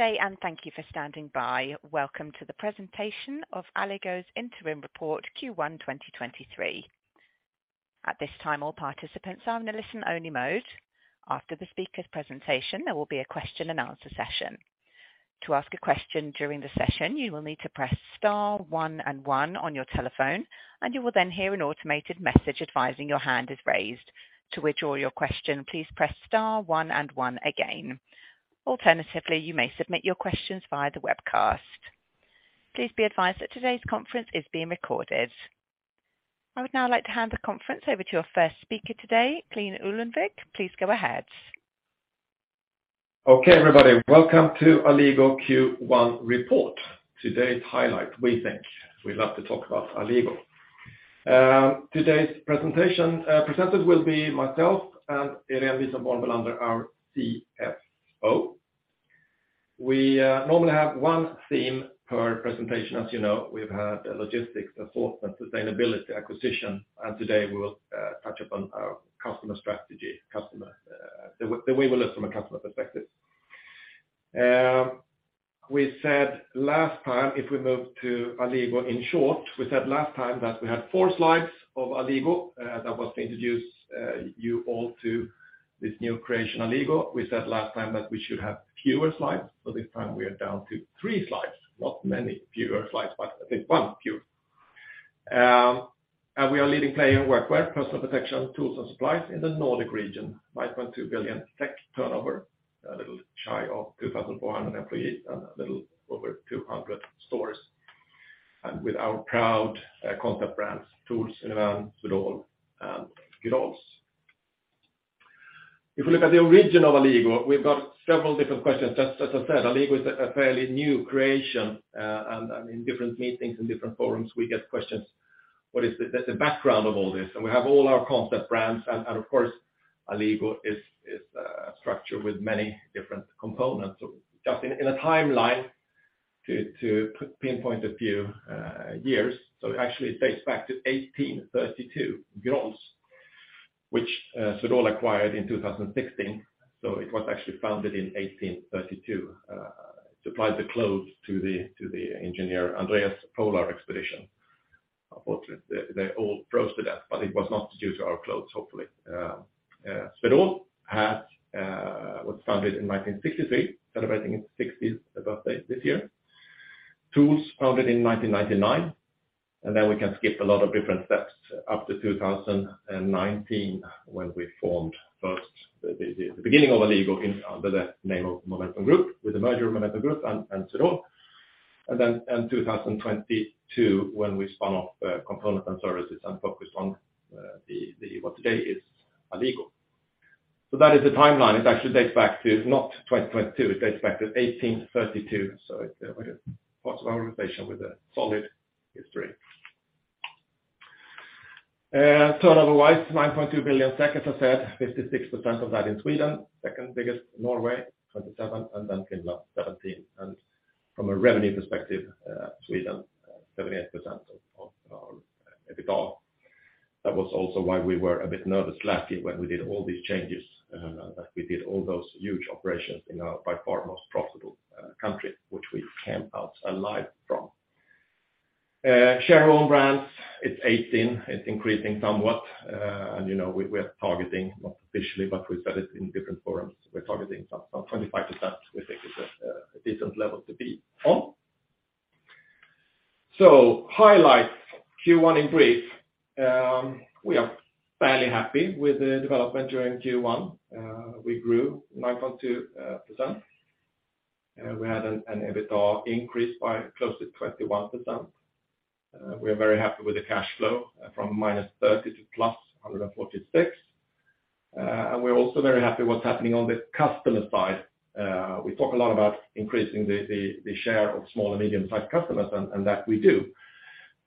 Good day. Thank you for standing by. Welcome to the presentation of Alligo's interim report Q1 2023. At this time, all participants are in a listen only mode. After the speaker's presentation, there will be a question and answer session. To ask a question during the session, you will need to press star one and one on your telephone, and you will then hear an automated message advising your hand is raised. To withdraw your question, please press star1 and 1 again. Alternatively, you may submit your questions via the webcast. Please be advised that today's conference is being recorded. I would now like to hand the conference over to our first speaker today, Claes Ullenvik. Please go ahead. Okay everybody. Welcome to Alligo Q1 report. Today's highlight, we think. We love to talk about Alligo. Today's presentation, presenters will be myself and Irene Wisenborn Bellander, our CFO. We normally have one theme per presentation. As you know, we've had logistics, assortment, sustainability, acquisition, and today we will touch upon our customer strategy. Customer, the way we look from a customer perspective. We said last time, if we move to Alligo, in short, we said last time that we had four slides of Alligo, that was to introduce you all to this new creation, Alligo. We said last time that we should have fewer slides, but this time we are down to three slides. Not many fewer slides, but I think one fewer. We are a leading player in workwear, personal protection, tools and supplies in the Nordic region. 9.2 billion turnover, a little shy of 2,400 employees and a little over 200 stores. With our proud concept brands, Tools, Univern, Swedol and Grolls. If we look at the origin of Alligo, we've got several different questions. As I said, Alligo is a fairly new creation, and in different meetings and different forums, we get questions. What is the background of all this? We have all our concept brands and of course, Alligo is structured with many different components. Just in a timeline to pinpoint a few years. It actually dates back to 1832, Grolls, which Swedol acquired in 2016. It was actually founded in 1832. supplied the clothes to the engineer Andrée's Polar Expedition. Unfortunately, they all froze to death, but it was not due to our clothes, hopefully. Swedol was founded in 1963, celebrating its sixtieth birthday this year. Tools founded in 1999. Then we can skip a lot of different steps up to 2019 when we formed first the beginning of Alligo in, under the name of Momentum Group with the merger of Momentum Group and Swedol. Then in 2022, when we spun off components and services and focused on what today is Alligo. That is the timeline. It actually dates back to not 2022. It dates back to 1832. We're part of an organization with a solid history. Turnover-wise, 9.2 billion, as I said. 56% of that in Sweden. Second biggest, Norway, 27%, and then Finland 17%. From a revenue perspective, Sweden, 78% of our EBITA. That was also why we were a bit nervous last year when we did all these changes, that we did all those huge operations in our by far most profitable country, which we came out alive from. Share-owned brands, it's 18%, it's increasing somewhat. You know, we're targeting, not officially, but we said it in different forums. We're targeting some 25% we think is a decent level to be on. Highlights, Q1 in brief. We are fairly happy with the development during Q1. We grew 9.2%. We had an EBITA increase by close to 21%. We are very happy with the cash flow from -30 to +146. We're also very happy what's happening on the customer side. We talk a lot about increasing the share of small and medium-sized customers and that we do.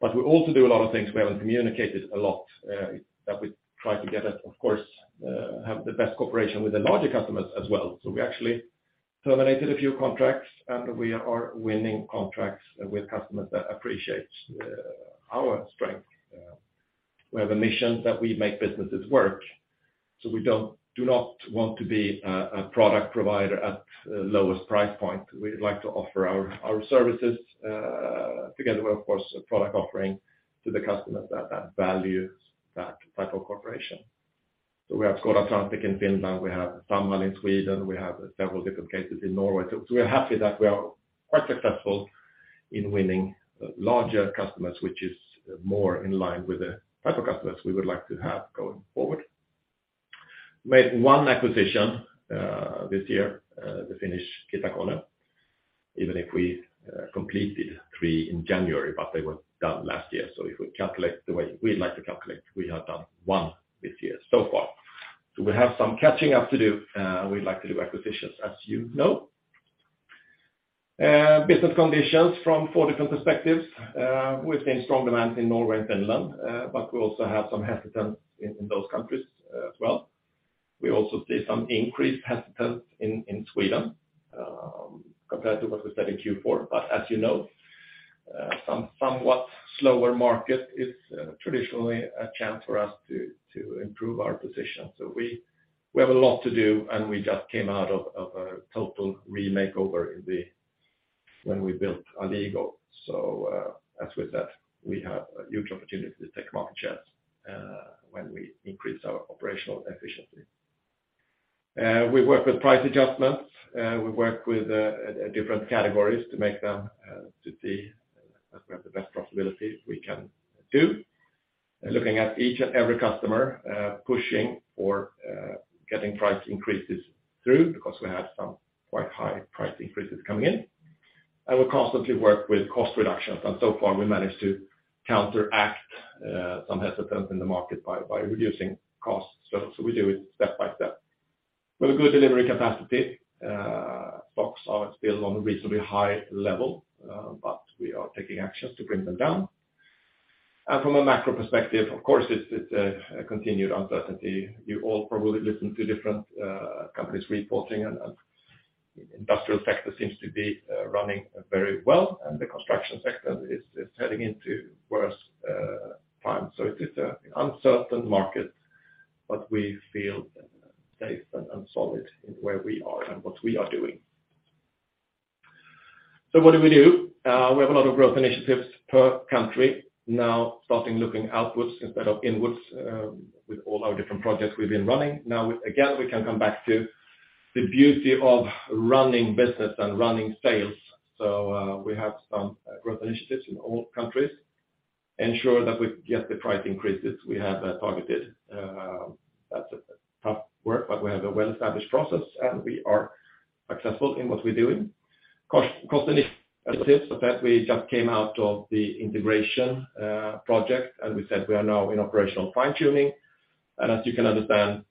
We also do a lot of things we haven't communicated a lot, that we try to get it, of course, have the best cooperation with the larger customers as well. We actually terminated a few contracts, and we are winning contracts with customers that appreciate our strength. We have a mission that we make businesses work, so we do not want to be a product provider at lowest price point. We'd like to offer our services, together with of course a product offering to the customers that value that type of cooperation. We have Skarta Atlantic in Finland, we have Sandahls in Sweden, we have several different cases in Norway. We are happy that we are quite successful in winning larger customers, which is more in line with the type of customers we would like to have going forward. Made 1 acquisition this year, the Finnish Kitakone, even if we completed 3 in January, but they were done last year. If we calculate the way we like to calculate, we have done 1 this year so far. We have some catching up to do, we'd like to do acquisitions as you know. Business conditions from 4 different perspectives. We've seen strong demand in Norway and Finland, but we also have some hesitance in those countries as well. We also see some increased hesitance in Sweden, compared to what we said in Q4. As you know, somewhat slower market is traditionally a chance for us to improve our position. We have a lot to do, and we just came out of a total remake over in the... When we built Alligo. As with that, we have a huge opportunity to take market shares when we increase our operational efficiency. We work with price adjustments. We work with different categories to make them to see that we have the best profitability we can do. Looking at each and every customer, pushing for getting price increases through because we have some quite high price increases coming in. We constantly work with cost reductions, and so far, we managed to counteract some hesitance in the market by reducing costs. We do it step by step. With a good delivery capacity, stocks are still on a reasonably high level, but we are taking actions to bring them down. From a macro perspective, of course, it's a continued uncertainty. You all probably listen to different companies reporting and industrial sector seems to be running very well, and the construction sector is heading into worse times. It is an uncertain market, but we feel safe and solid in where we are and what we are doing. What do we do? We have a lot of growth initiatives per country now starting looking outwards instead of inwards, with all our different projects we've been running. Now again, we can come back to the beauty of running business and running sales. We have some growth initiatives in all countries ensure that we get the price increases we have targeted. That's tough work, but we have a well-established process, and we are successful in what we're doing. Cost, cost initiatives that we just came out of the integration project, and we said we are now in operational fine-tuning. As you can understand,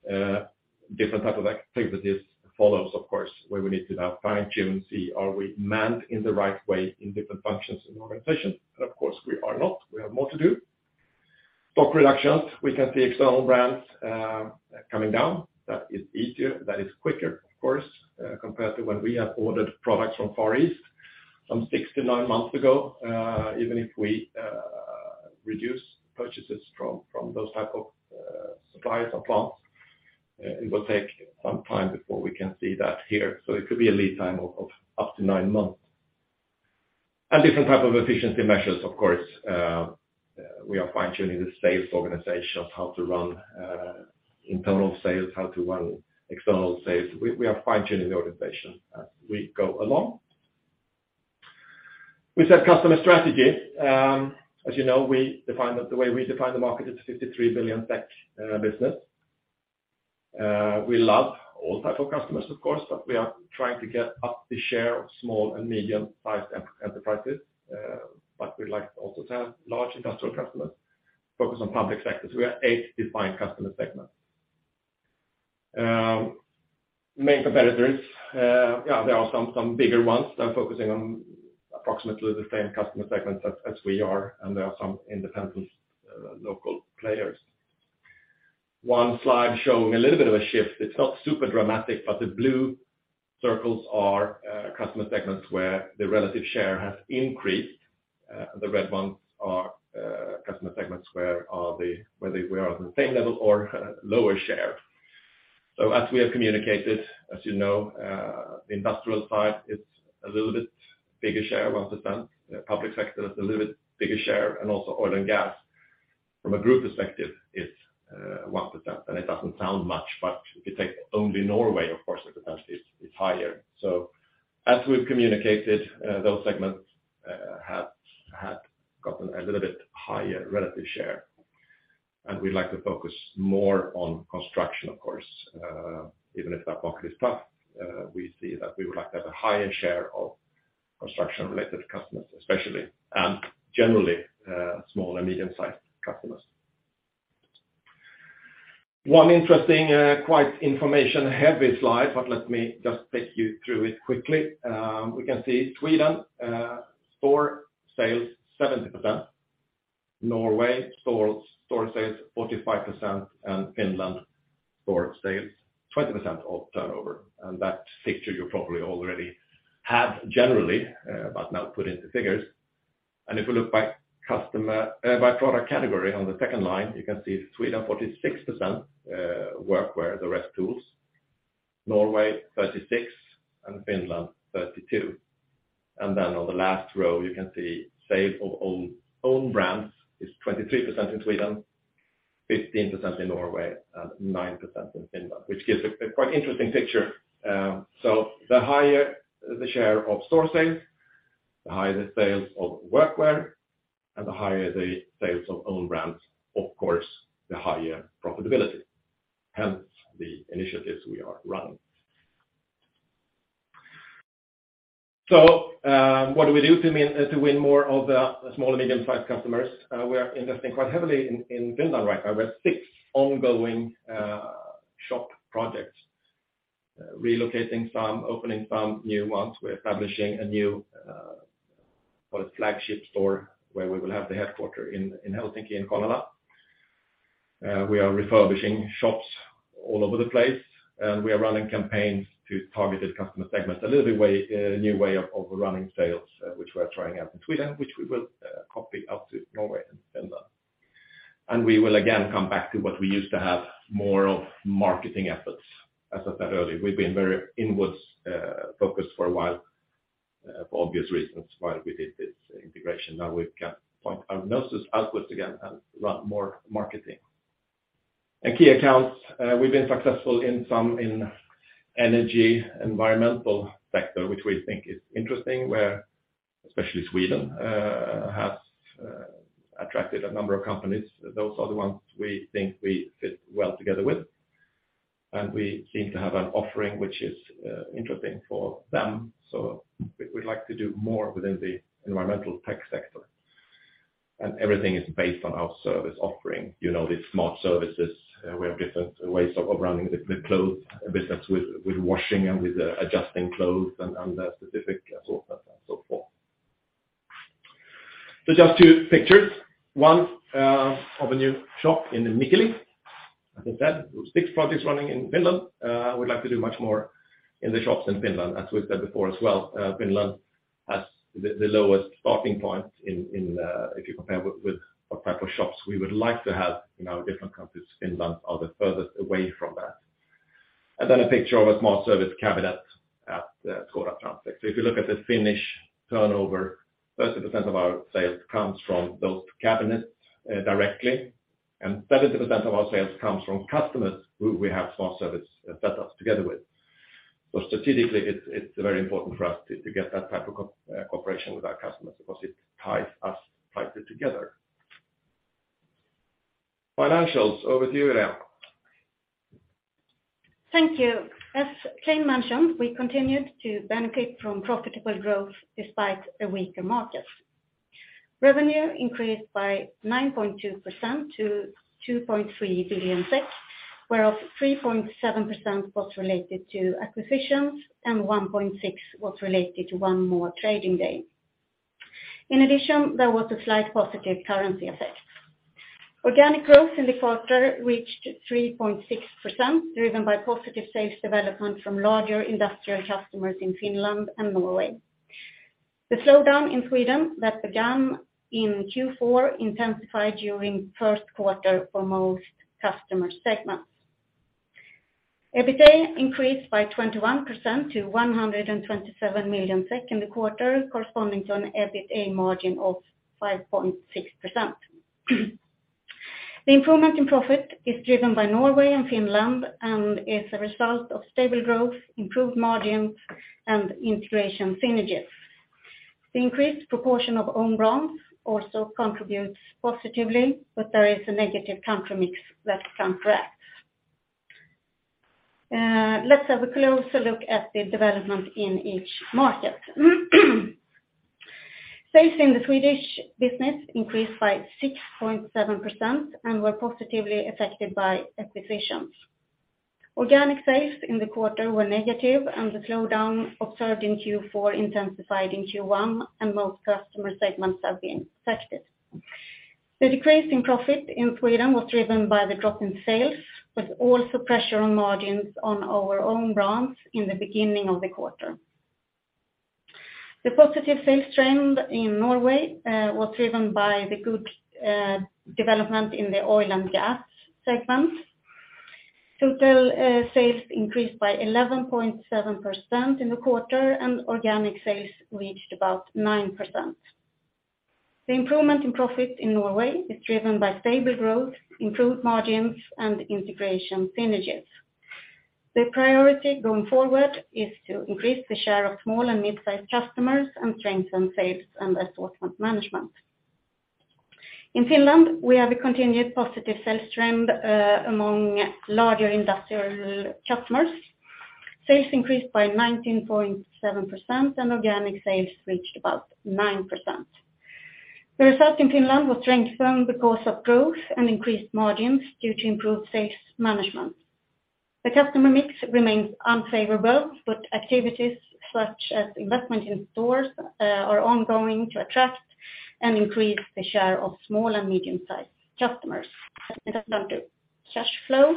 different type of activities follows of course, where we need to now fine-tune, see are we manned in the right way in different functions in the organization. Of course we are not, we have more to do. Stock reductions, we can see external brands coming down. That is easier. That is quicker of course, compared to when we have ordered products from Far East some 6-9 months ago. Even if we reduce purchases from those type of suppliers or plants, it will take some time before we can see that here. It could be a lead time of up to 9 months. Different type of efficiency measures of course. We are fine-tuning the sales organization of how to run internal sales, how to run external sales. We are fine-tuning the organization as we go along. We set customer strategies. As you know, we define the way we define the market is a 53 billion tech business. We love all type of customers of course, but we are trying to get up the share of small and medium-sized enterprises. We like also to have large industrial customers focus on public sectors. We have eight defined customer segments. Main competitors, there are some bigger ones that are focusing on approximately the same customer segments as we are, and there are some independent local players. One slide showing a little bit of a shift. It's not super dramatic, but the blue circles are customer segments where the relative share has increased. The red ones are customer segments where they, we are on the same level or lower share. As we have communicated, as you know, the industrial side is a little bit bigger share, 1%. Public sector is a little bit bigger share, and also oil and gas. From a group perspective, it's 1% and it doesn't sound much, but if you take only Norway, of course the percentage is higher. As we've communicated, those segments have gotten a little bit higher relative share, and we like to focus more on construction of course. Even if that market is tough, we see that we would like to have a higher share of construction-related customers especially, and generally, small and medium-sized customers. One interesting, quite information-heavy slide, but let me just take you through it quickly. We can see Sweden store sales 70%. Norway store sales 45%, and Finland store sales 20% of turnover. That picture you probably already have generally, but now put into figures. If you look by customer, by product category on the second line, you can see Sweden 46%, workwear, the rest tools. Norway 36%, and Finland 32%. On the last row, you can see sale of own brands is 23% in Sweden, 15% in Norway, and 9% in Finland, which gives a quite interesting picture. The higher the share of store sales, the higher the sales of workwear, and the higher the sales of own brands, of course, the higher profitability, hence the initiatives we are running. What do we do to win more of the small and medium-sized customers? We are investing quite heavily in Finland right now. We have 6 ongoing shop projects, relocating some, opening some new ones. We're establishing a new, call it flagship store, where we will have the headquarter in Helsinki, in Konala. We are refurbishing shops all over the place, and we are running campaigns to targeted customer segments. A little bit way, new way of running sales, which we're trying out in Sweden, which we will copy out to Norway and Finland. We will again come back to what we used to have more of marketing efforts. As I said earlier, we've been very inwards, focused for a while, for obvious reasons while we did this integration. Now we can point our noses outwards again and run more marketing. Key accounts, we've been successful in some in energy environmental sector, which we think is interesting, where especially Sweden has attracted a number of companies. Those are the ones we think we fit well together with. We seem to have an offering which is interesting for them. We'd like to do more within the environmental tech sector. Everything is based on our service offering. You know, the smart services, we have different ways of running the clothes business with washing and with adjusting clothes and specific and so on and so forth. Just two pictures. One of a new shop in Mikkeli. I think that six projects running in Finland. We'd like to do much more in the shops in Finland. As we've said before as well, Finland has the lowest starting point in, if you compare with what type of shops we would like to have in our different countries, Finland are the furthest away from that. A picture of a small service cabinet at Skarta Transport. If you look at the Finnish turnover, 30% of our sales comes from those cabinets directly, and 30% of our sales comes from customers who we have small service setups together with. Strategically, it's very important for us to get that type of cooperation with our customers because it ties us tighter together. Financials, over to you, Irene. Thank you. As Claes mentioned, we continued to benefit from profitable growth despite a weaker market. Revenue increased by 9.2% to 2.3 billion SEK, whereof 3.7% was related to acquisitions and 1.6% was related to 1 more trading day. There was a slight positive currency effect. Organic growth in the quarter reached 3.6%, driven by positive sales development from larger industrial customers in Finland and Norway. The slowdown in Sweden that began in Q4 intensified during first quarter for most customer segments. EBITA increased by 21% to 127 million SEK in the quarter, corresponding to an EBITA margin of 5.6%. The improvement in profit is driven by Norway and Finland and is a result of stable growth, improved margins, and integration synergies. The increased proportion of own brands also contributes positively, but there is a negative country mix that counteracts. Let's have a closer look at the development in each market. Sales in the Swedish business increased by 6.7% and were positively affected by acquisitions. Organic sales in the quarter were negative, and the slowdown observed in Q4 intensified in Q1, and most customer segments have been affected. The decrease in profit in Sweden was driven by the drop in sales, with also pressure on margins on our own brands in the beginning of the quarter. The positive sales trend in Norway was driven by the good development in the oil and gas segments. Total sales increased by 11.7% in the quarter, and organic sales reached about 9%. The improvement in profit in Norway is driven by stable growth, improved margins, and integration synergies. The priority going forward is to increase the share of small and mid-sized customers and strengthen sales and assortment management. In Finland, we have a continued positive sales trend among larger industrial customers. Sales increased by 19.7%, and organic sales reached about 9%. The result in Finland was strengthened because of growth and increased margins due to improved sales management. The customer mix remains unfavorable, but activities such as investment in stores are ongoing to attract and increase the share of small and medium-sized customers. Down to cash flow.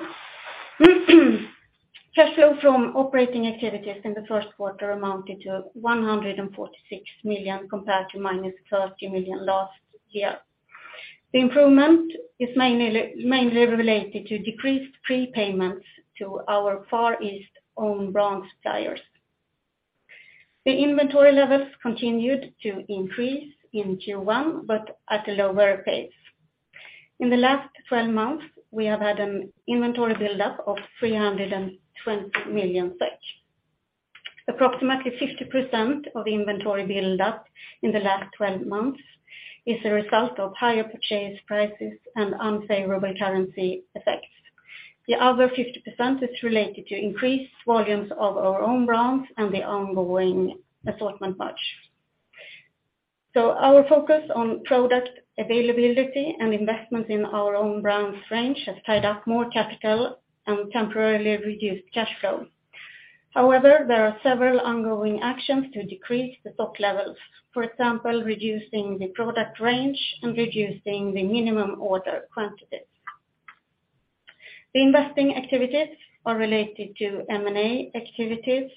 Cash flow from operating activities in the first quarter amounted to 146 million compared to minus 30 million last year. The improvement is mainly related to decreased prepayments to our Far East own brand suppliers. The inventory levels continued to increase in Q1, but at a lower pace. In the last 12 months, we have had an inventory build-up of 320 million SEK. Approximately 50% of inventory build-up in the last 12 months is a result of higher purchase prices and unfavorable currency effects. The other 50% is related to increased volumes of our own brands and the ongoing assortment merge. Our focus on product availability and investment in our own brands range has tied up more capital and temporarily reduced cash flow. However, there are several ongoing actions to decrease the stock levels, for example, reducing the product range and reducing the minimum order quantities. The investing activities are related to M&A activities,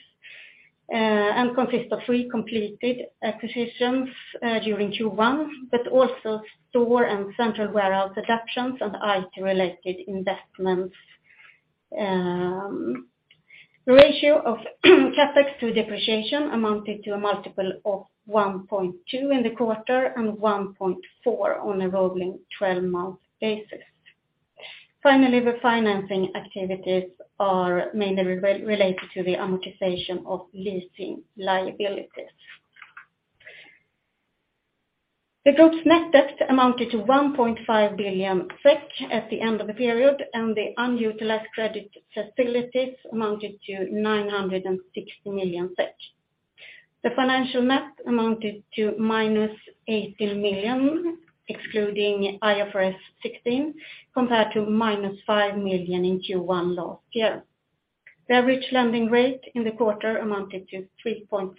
and consist of three completed acquisitions during Q1, but also store and central warehouse reductions and IT related investments. The ratio of CapEx to depreciation amounted to a multiple of 1.2 in the quarter and 1.4 on a rolling twelve month basis. Finally, the financing activities are mainly related to the amortization of leasing liabilities. The group's net debt amounted to 1.5 billion SEK at the end of the period, and the unutilized credit facilities amounted to 960 million SEK. The financial net amounted to minus 18 million, excluding IFRS 16, compared to minus 5 million in Q1 last year. The average lending rate in the quarter amounted to 3.7%.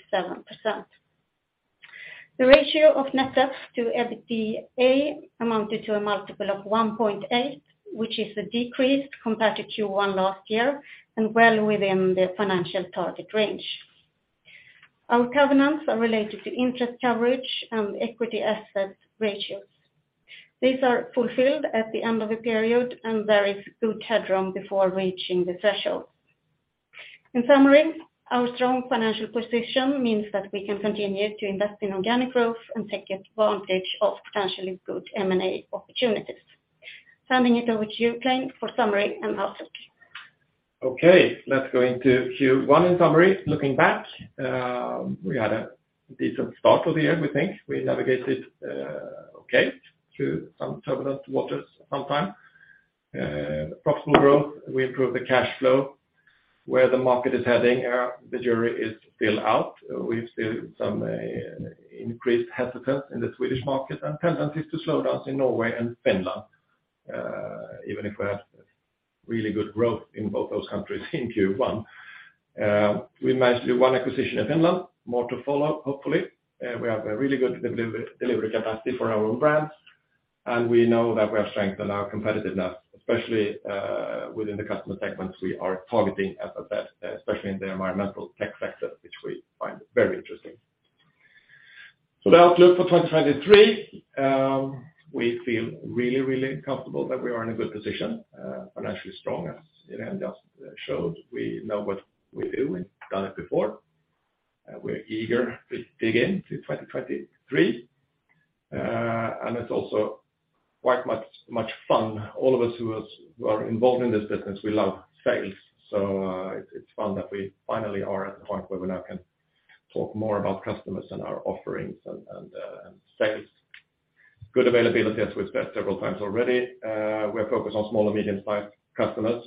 The ratio of net debt to EBITDA amounted to a multiple of 1.8, which is a decrease compared to Q1 last year and well within the financial target range. Our covenants are related to interest coverage and equity asset ratios. These are fulfilled at the end of a period and there is good headroom before reaching the threshold. In summary, our strong financial position means that we can continue to invest in organic growth and take advantage of potentially good M&A opportunities. Sending it over to you, Claes for summary and outlook. Okay, let's go into Q1. In summary, looking back, we had a decent start of the year, we think. We navigated okay through some turbulent waters sometime. Profitable growth, we improved the cash flow. Where the market is heading, the jury is still out. We've seen some increased hesitant in the Swedish market and tendencies to slow down in Norway and Finland, even if we have really good growth in both those countries in Q1. We managed to do 1 acquisition in Finland, more to follow, hopefully. We have a really good deli-delivery capacity for our own brands, and we know that we have strengthened our competitiveness, especially within the customer segments we are targeting at the best, especially in the environmental tech sector, which we find very interesting. The outlook for 2023, we feel really comfortable that we are in a good position, financially strong, as Irene just showed. We know what we're doing. We've done it before. We're eager to dig in to 2023, and it's also quite much fun. All of us who are involved in this business, we love sales. It's fun that we finally are at the point where we now can talk more about customers and our offerings and sales. Good availability, as we've said several times already. We're focused on small and medium-sized customers.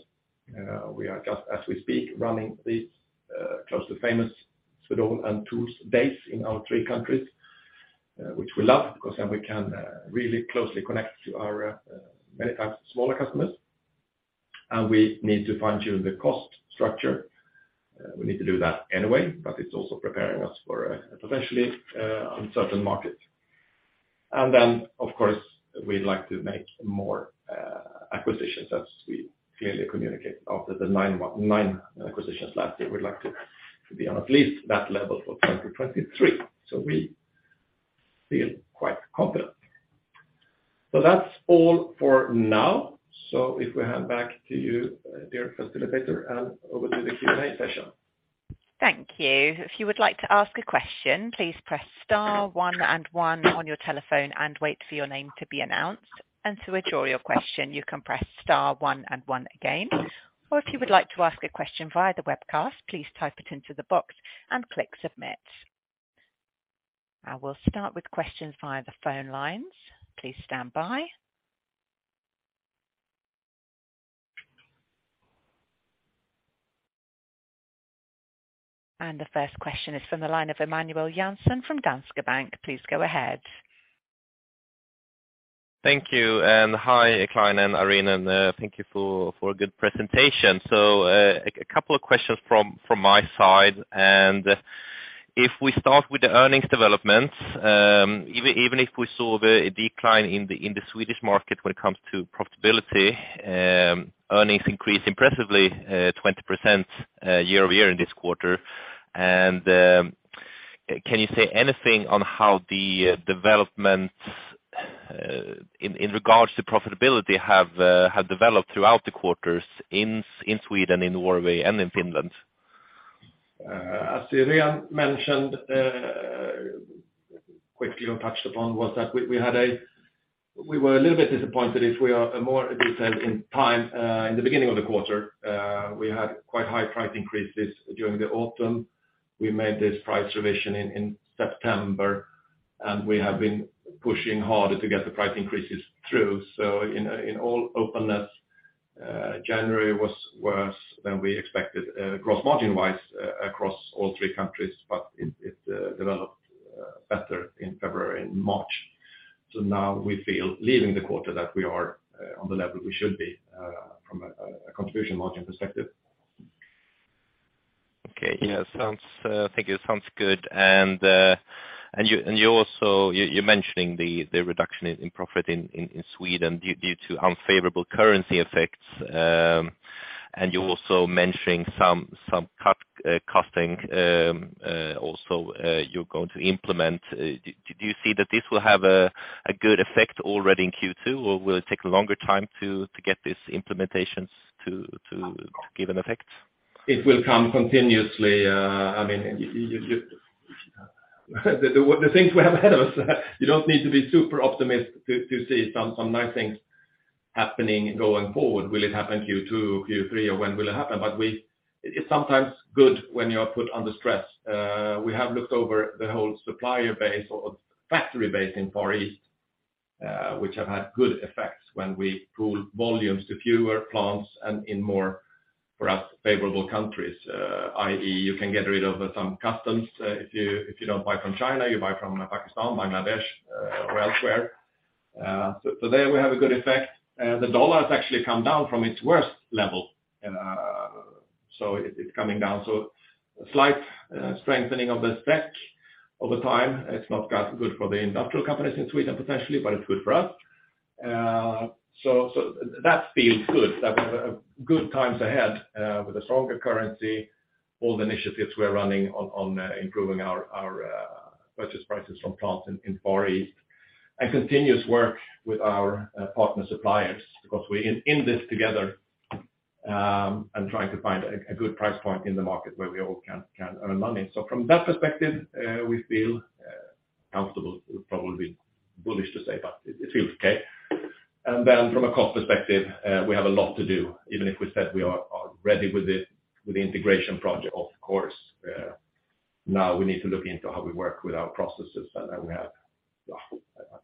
We are just, as we speak, running these close to famous Swedol and Tools base in our three countries, which we love because then we can really closely connect to our many times smaller customers. We need to fine-tune the cost structure. We need to do that anyway, but it's also preparing us for a potentially uncertain market. Of course, we'd like to make more acquisitions, as we clearly communicate. After the 9 acquisitions last year, we'd like to be on at least that level for 2023. We feel quite confident. That's all for now. If we hand back to you, dear facilitator, and over to the Q&A session. Thank you. If you would like to ask a question, please press star one and one on your telephone and wait for your name to be announced. To withdraw your question, you can press star one and one again. If you would like to ask a question via the webcast, please type it into the box and click submit. I will start with questions via the phone lines. Please stand by. The first question is from the line of Emanuel Jansson from Danske Bank. Please go ahead. Thank you. Hi, Claes and Irene, thank you for a good presentation. A couple of questions from my side. If we start with the earnings developments, even if we saw the decline in the Swedish market when it comes to profitability, earnings increased impressively, 20% year-over-year in this quarter. Can you say anything on how the developments in regards to profitability have developed throughout the quarters in Sweden, in Norway, and in Finland? As Irene mentioned, quickly touched upon was that we were a little bit disappointed if we are more detailed in time. In the beginning of the quarter, we had quite high price increases during the autumn. We made this price revision in September, and we have been pushing harder to get the price increases through. In all openness, January was worse than we expected, gross margin-wise across all three countries, but it developed better in February and March. Now we feel leaving the quarter that we are on the level we should be from a contribution margin perspective. Okay. Yeah. Sounds, thank you. Sounds good. You, and you also, you're mentioning the reduction in profit in Sweden due to unfavorable currency effects. You're also mentioning some cut, cutting, also, you're going to implement. Do you see that this will have a good effect already in Q2, or will it take a longer time to get these implementations to give an effect? It will come continuously. I mean, The things we have ahead of us, you don't need to be super optimistic to see some nice things happening going forward. Will it happen Q2, Q3, or when will it happen? It's sometimes good when you are put under stress. We have looked over the whole supplier base or factory base in Far East, which have had good effects when we pool volumes to fewer plants and in more, for us, favorable countries. i.e., you can get rid of some customs, if you don't buy from China, you buy from Pakistan, Bangladesh, or elsewhere. There we have a good effect. The dollar has actually come down from its worst level, it's coming down. Slight strengthening of the SEK over time. It's not good for the industrial companies in Sweden, potentially, but it's good for us. That feels good. That good times ahead with a stronger currency, all the initiatives we're running on improving our purchase prices from plants in Far East, and continuous work with our partner suppliers, because we're in this together, and trying to find a good price point in the market where we all can earn money. From that perspective, we feel comfortable would probably be bullish to say, but it feels okay. From a cost perspective, we have a lot to do, even if we said we are ready with the integration project. Of course, now we need to look into how we work with our processes and we have,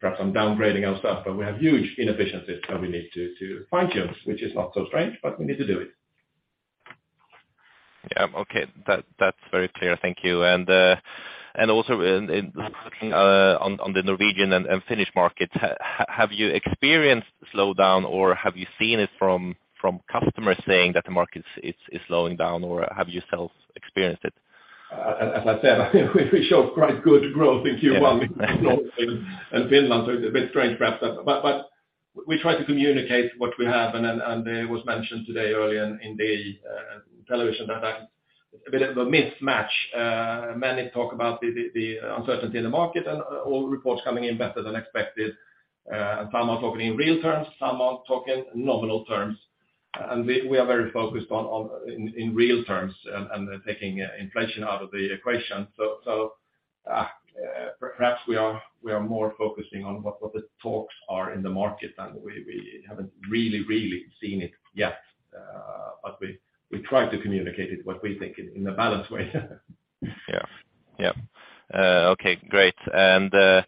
perhaps I'm downgrading our stuff, but we have huge inefficiencies that we need to fine-tune, which is not so strange, but we need to do it. Yeah. Okay. That's very clear. Thank you. Also in on the Norwegian and Finnish markets, have you experienced slowdown or have you seen it from customers saying that the market is slowing down, or have you self experienced it? As I said, we showed quite good growth in Q1 in Norway and Finland, so it's a bit strange perhaps. We try to communicate what we have and it was mentioned today early in the television that a bit of a mismatch. Many talk about the uncertainty in the market and all reports coming in better than expected. Some are talking in real terms, some are talking nominal terms, and we are very focused on in real terms and taking inflation out of the equation. Perhaps we are more focusing on what the talks are in the market and we haven't really seen it yet. We try to communicate it what we think in a balanced way. yeah. Okay, great. How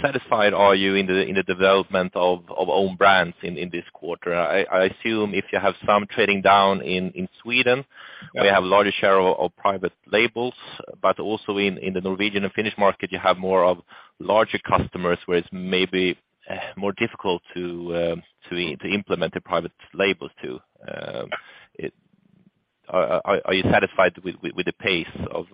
satisfied are you in the development of own brands in this quarter? I assume if you have some trading down in Sweden, where you have larger share of private labels, but also in the Norwegian and Finnish market, you have more of larger customers where it's maybe more difficult to implement the private labels. Are you satisfied with the pace of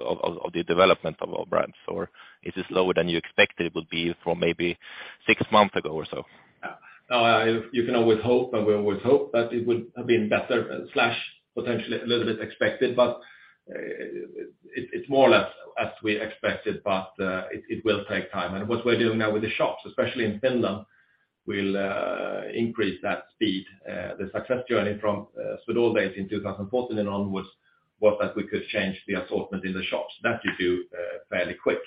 the development of own brands, or is this lower than you expected it would be from maybe six months ago or so? Yeah. No, you can always hope, and we always hope that it would have been better/potentially a little bit expected, but it's more or less as we expected. It will take time. What we're doing now with the shops, especially in Finland, will increase that speed. The success journey from Svedala based in 2014 and onwards was that we could change the assortment in the shops. That you do fairly quick.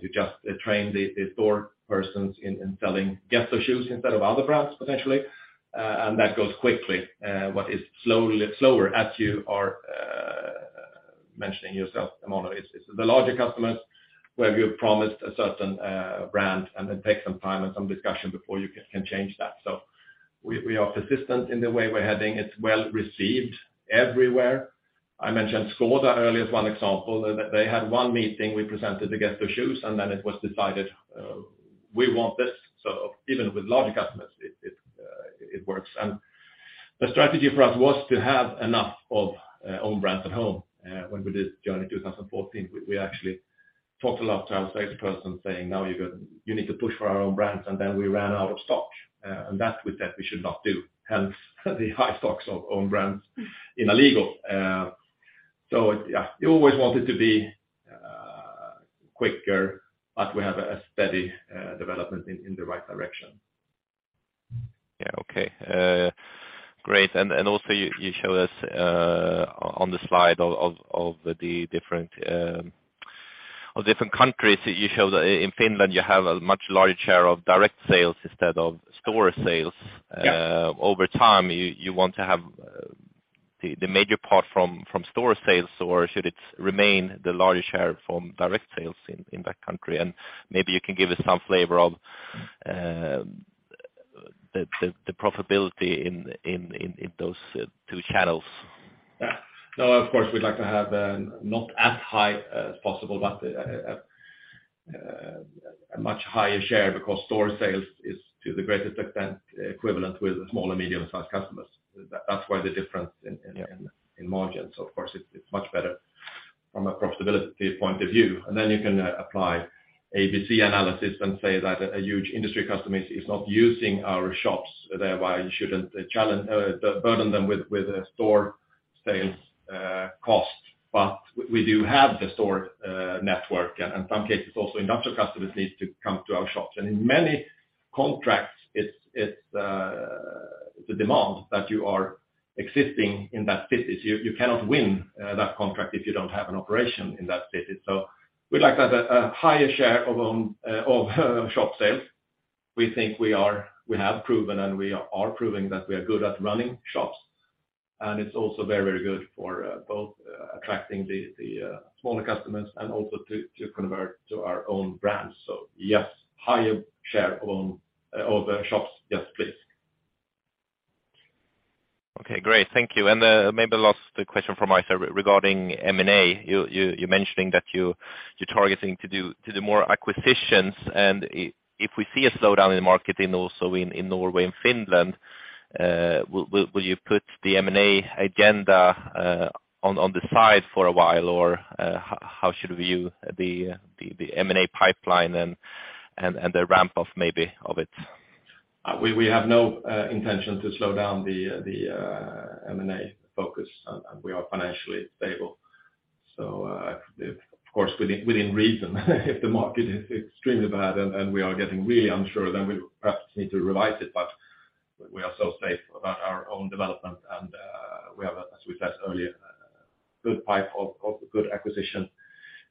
You just train the store persons in selling Gesto shoes instead of other brands, potentially. That goes quickly. What is Slower, as you are mentioning yourself, Mono, is the larger customers where we have promised a certain brand and it takes some time and some discussion before you can change that. We are persistent in the way we're heading. It's well-received everywhere. I mentioned Skåra earlier as one example. They had one meeting, we presented the Gesto shoes, and then it was decided, we want this. Even with larger customers, it works. The strategy for us was to have enough of own brands at home. When we did journey 2014, we actually talked a lot to our space person saying, "Now you need to push for our own brands." Then we ran out of stock, and that's with that we should not do, hence the high stocks of own brands in Alligo. Yeah, you always want it to be quicker, but we have a steady development in the right direction. Yeah. Okay, great. Also you showed us, on the slide of the different countries. You showed that in Finland you have a much larger share of direct sales instead of store sales. Yeah. over time, you want to have the major part from store sales, or should it remain the larger share from direct sales in that country? Maybe you can give us some flavor of the profitability in those two channels. No, of course, we'd like to have not as high as possible, but a much higher share because store sales is to the greatest extent equivalent with small and medium-sized customers. That's why the difference in margins. Of course it's much better from a profitability point of view. Then you can apply ABC analysis and say that a huge industry customer is not using our shops, thereby you shouldn't burden them with store sales cost. We do have the store network, and in some cases also industrial customers need to come to our shops. In many contracts, it's the demand that you are existing in that city. You cannot win that contract if you don't have an operation in that city. We'd like to have a higher share of shop sales. We think we have proven and we are proving that we are good at running shops. It's also very good for both attracting the smaller customers and also to convert to our own brands. Yes, higher share of shops. Yes, please. Okay, great. Thank you. Maybe last question from my side regarding M&A. You mentioning that you're targeting to do more acquisitions. If we see a slowdown in the market and also in Norway and Finland, will you put the M&A agenda on the side for a while, or how should we view the M&A pipeline and the ramp off maybe of it? We have no intention to slow down the M&A focus, and we are financially stable. Of course, within reason. If the market is extremely bad and we are getting really unsure, then we perhaps need to revise it. But we are so safe about our own development, and we have, as we said earlier, good pipe of good acquisition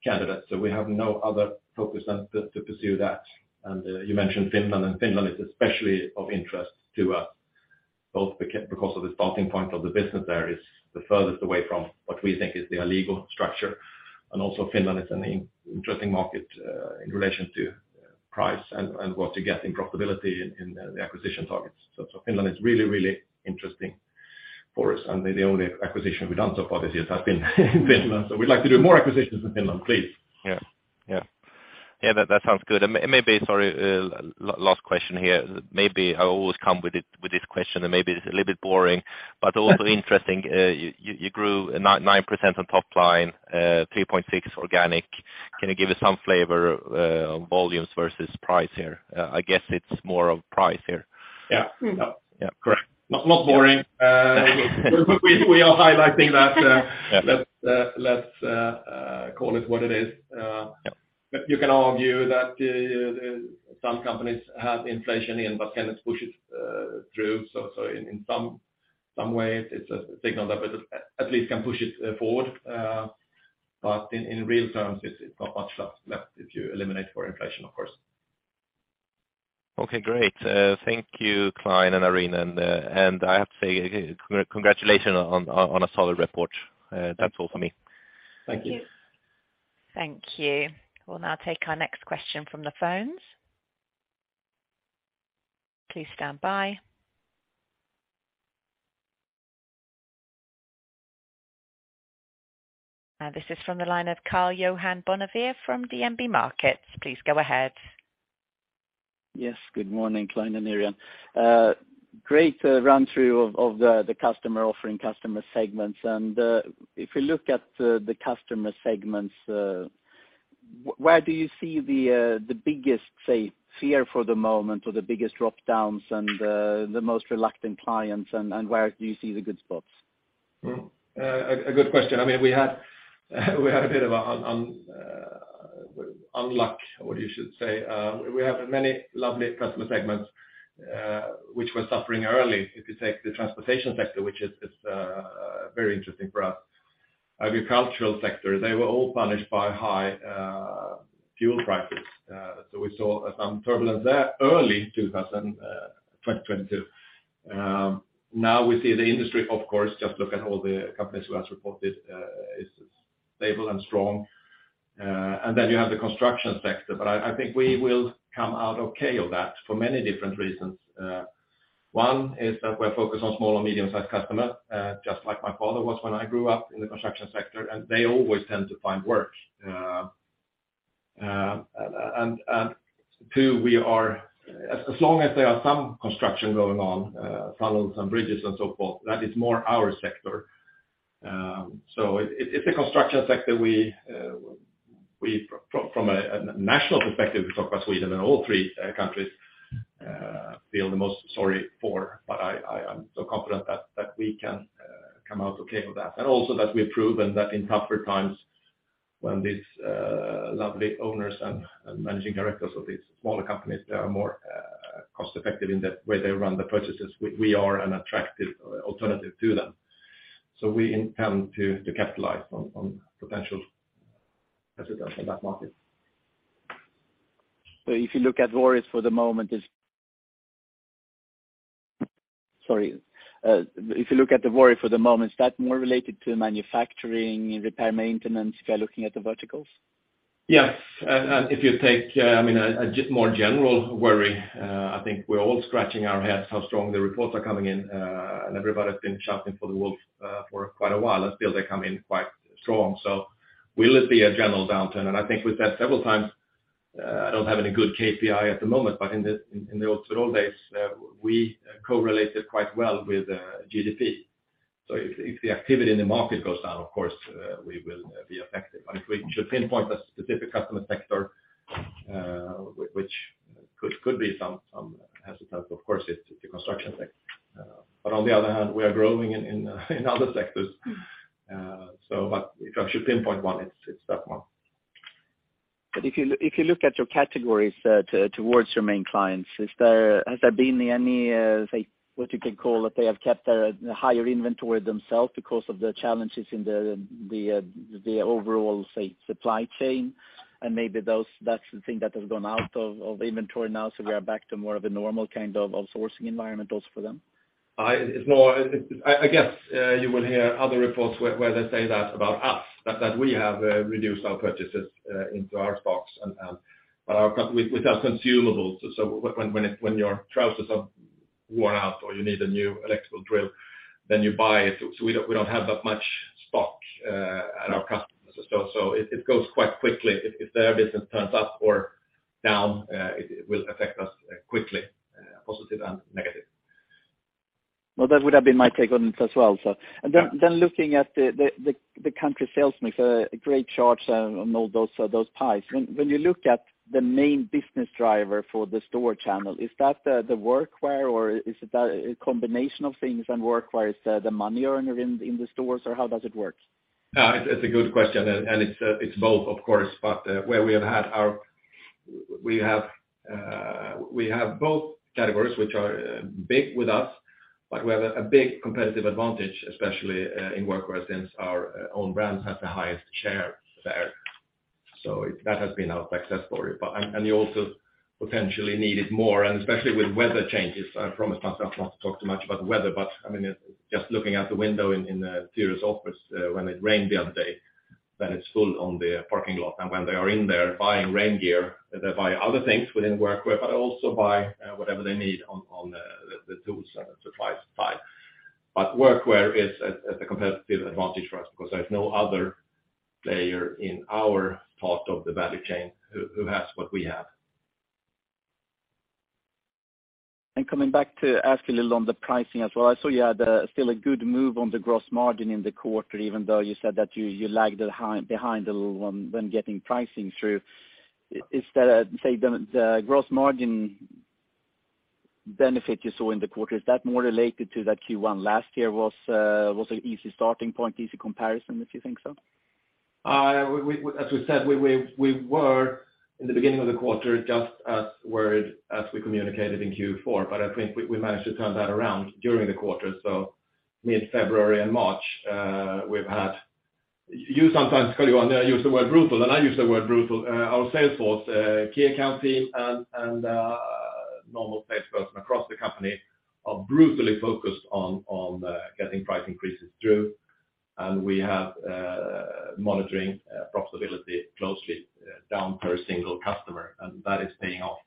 candidates. We have no other focus than to pursue that. You mentioned Finland is especially of interest to us, both because of the starting point of the business there is the furthest away from what we think is the illegal structure. Also Finland is an interesting market in relation to price and what you get in profitability in the acquisition targets. Finland is really, really interesting for us. The only acquisition we've done so far this year has been in Finland. We'd like to do more acquisitions in Finland, please. Yeah. Yeah. Yeah, that sounds good. Sorry, last question here. Maybe I always come with this question, and maybe it's a little bit boring, but also interesting. You grew 9% on top line, 3.6% organic. Can you give us some flavor on volumes versus price here? I guess it's more of price here. Yeah. Mm-hmm. Yeah. Correct. Not boring. We are highlighting that. Let's call it what it is. Yep. You can argue that, some companies have inflation in, but can it push it, through? In some way, it's a signal that at least can push it forward. In real terms, it's not much left if you eliminate for inflation, of course. Okay, great. Thank you, Claes and Irene. I have to say congratulations on a solid report. That's all for me. Thank you. Thank you. Thank you. We'll now take our next question from the phones. Please stand by. This is from the line of Karl-Johan Bonnevier from DNB Markets. Please go ahead. Yes, good morning, Claes and Irene. great run-through of the customer offering, customer segments. If you look at the customer segments, where do you see the biggest, say, fear for the moment or the biggest drop-downs and the most reluctant clients, and where do you see the good spots? A good question. I mean, we had a bit of unluck, what you should say. We have many lovely customer segments, which were suffering early. If you take the transportation sector, which is very interesting for us, agricultural sector, they were all punished by high fuel prices. We saw some turbulence there early 2022. Now we see the industry, of course, just look at all the companies who has reported, is stable and strong. Then you have the construction sector. I think we will come out okay on that for many different reasons. One is that we're focused on small and medium-sized customers, just like my father was when I grew up in the construction sector, and they always tend to find work. Two, we are, as long as there are some construction going on, tunnels and bridges and so forth, that is more our sector. It's the construction sector we, from a national perspective, we talk about Sweden and all three countries, feel the most sorry for. I am so confident that we can come out okay with that. Also that we've proven that in tougher times when these lovely owners and managing directors of these smaller companies are more cost-effective in the way they run the purchases, we are an attractive alternative to them. We intend to capitalize on potential residents in that market. If you look at worries for the moment, Sorry. If you look at the worry for the moment, is that more related to manufacturing, repair maintenance if you're looking at the verticals? Yes. If you take, I mean, a more general worry, I think we're all scratching our heads how strong the reports are coming in. Everybody's been shouting for the wolf for quite a while. I feel they come in quite strong. Will it be a general downturn? I think we've said several times, I don't have any good KPI at the moment, but in the old days, we correlated quite well with GDP. If the activity in the market goes down, of course, we will be affected. If we should pinpoint a specific customer sector, which could be some hesitant, of course, it's the construction sector. On the other hand, we are growing in other sectors. If I should pinpoint one, it's that one. If you, if you look at your categories, towards your main clients, has there been any, say, what you could call, they have kept a higher inventory themselves because of the challenges in the overall, say, supply chain? Maybe that's the thing that has gone out of inventory now, so we are back to more of a normal kind of outsourcing environment also for them. I guess you will hear other reports where they say that about us. That we have reduced our purchases into our stocks and with our consumables, so when your trousers are worn out or you need a new electrical drill, then you buy it. We don't have that much stock at our customers. It goes quite quickly. If their business turns up or down, it will affect us quickly, positive and negative. Well, that would have been my take on it as well. Yeah. Then looking at the country sales mix, a great chart, on all those pies. When you look at the main business driver for the store channel, is that the workwear, or is that a combination of things? Workwear is the money earner in the stores, or how does it work? It's a good question, and it's both, of course. Where we have had our... We have, we have both categories which are big with us, but we have a big competitive advantage, especially in workwear since our own brands have the highest share there. That has been our success story. You also potentially need it more, and especially with weather changes. I promised myself not to talk too much about the weather, but, I mean, just looking out the window in Tyresö office, when it rained the other day, then it's full on the parking lot. When they are in there buying rain gear, they buy other things within workwear, but also buy whatever they need on the tools and supplies side. Workwear is at a competitive advantage for us because there's no other player in our part of the value chain who has what we have. Coming back to ask a little on the pricing as well. I saw you had still a good move on the gross margin in the quarter, even though you said that you lagged behind a little on when getting pricing through. Is that, say, the gross margin benefit you saw in the quarter, is that more related to that Q1 last year was an easy starting point, easy comparison, if you think so? We as we said, we were, in the beginning of the quarter, just as worried as we communicated in Q4. I think we managed to turn that around during the quarter. Mid-February and March, we've had... You sometimes, Freddy, use the word brutal, and I use the word brutal. Our sales force, key account team and normal salesperson across the company are brutally focused on getting price increases through. We have monitoring profitability closely down per single customer, and that is paying off.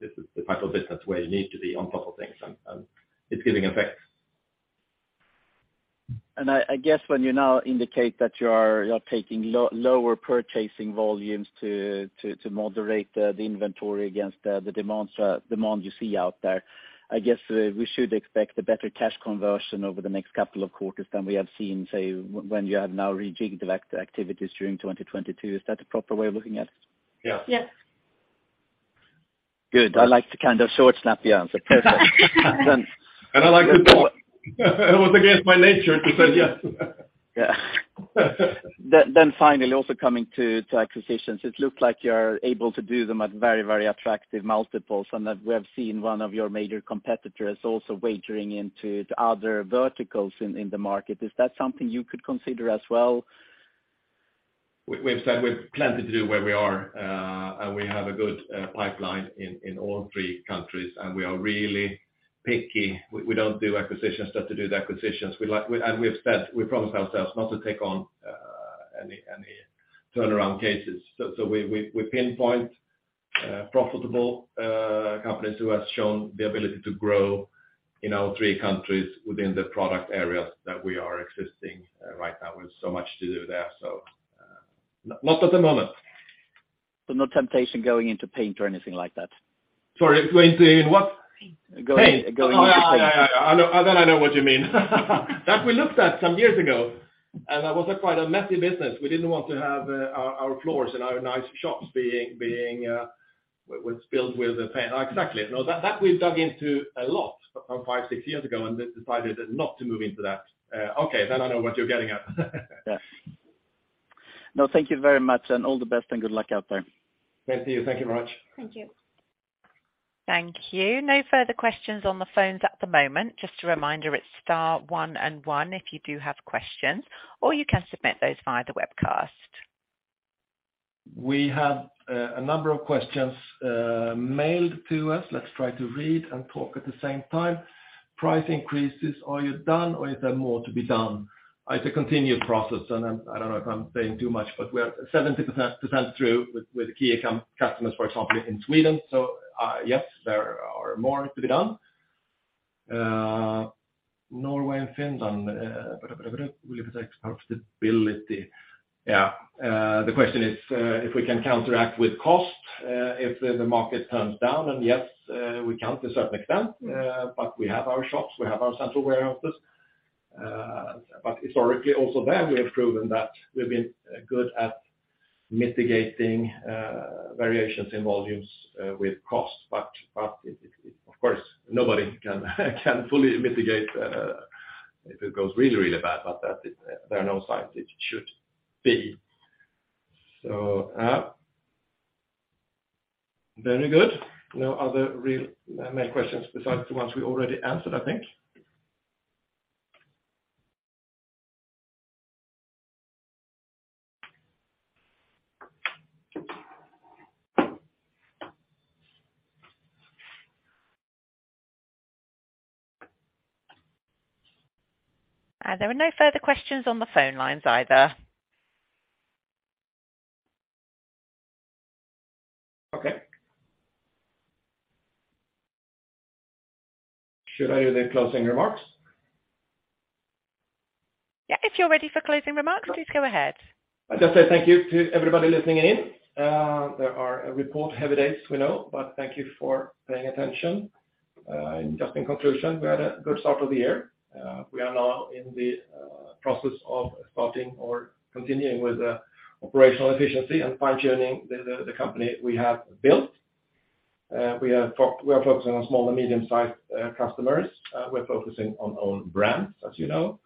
This is the type of business where you need to be on top of things, and it's giving effects. I guess when you now indicate that you're taking lower purchasing volumes to moderate the inventory against the demand you see out there, I guess, we should expect a better cash conversion over the next couple of quarters than we have seen, say, when you have now rejigged the activities during 2022. Is that the proper way of looking at it? Yeah. Yeah. Good. I like to kind of short snap the answer. Perfect. I like to talk. It was against my nature to say yes. Yeah. Finally, also coming to acquisitions. It looks like you're able to do them at very, very attractive multiples, and that we have seen one of your major competitors also wagering into the other verticals in the market. Is that something you could consider as well? We've said we've plenty to do where we are. We have a good pipeline in all three countries, and we are really picky. We don't do acquisitions just to do the acquisitions. We've said, we promised ourselves not to take on any turnaround cases. We pinpoint profitable companies who have shown the ability to grow in our three countries within the product areas that we are existing right now. We have so much to do there. Not at the moment. No temptation going into paint or anything like that? Sorry, going into what? Paint. Going into paint. Paint. Yeah, yeah. I know what you mean. That we looked at some years ago, and that was quite a messy business. We didn't want to have our floors and our nice shops being with spilled with paint. Exactly. That we've dug into a lot from five, six years ago and decided not to move into that. Okay, I know what you're getting at. Yes. No, thank you very much, and all the best, and good luck out there. Thank you. Thank you very much. Thank you. Thank you. No further questions on the phones at the moment. Just a reminder, it's star one and one if you do have questions, or you can submit those via the webcast. We have a number of questions mailed to us. Let's try to read and talk at the same time. Price increases, are you done or is there more to be done? It's a continued process and I don't know if I'm saying too much, but we are 70% through with key account customers, for example, in Sweden. Yes, there are more to be done. Norway and Finland, yeah. The question is if we can counteract with cost if the market turns down, and yes, we can to a certain extent. We have our shops, we have our central warehouses. Historically also there we have proven that we've been good at mitigating variations in volumes with cost. Of course, nobody can fully mitigate if it goes really, really bad, but there are no signs it should be. Very good. No other real main questions besides the ones we already answered, I think. There are no further questions on the phone lines either. Okay. Should I do the closing remarks? Yeah, if you're ready for closing remarks, please go ahead. I'll just say thank you to everybody listening in. There are report heavy days, we know, but thank you for paying attention. Just in conclusion, we had a good start of the year. We are now in the process of starting or continuing with the operational efficiency and fine-tuning the company we have built. We are focusing on small and medium-sized customers. We're focusing on own brands, as you know.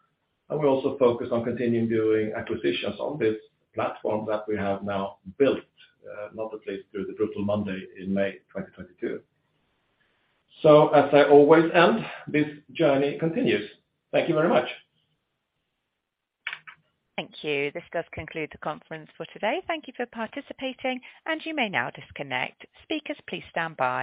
We also focus on continuing doing acquisitions on this platform that we have now built, not the least through the brutal Monday in May 2022. As I always end, this journey continues. Thank you very much. Thank you. This does conclude the conference for today. Thank you for participating, and you may now disconnect. Speakers, please stand by.